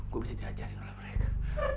gue bisa diajarin oleh mereka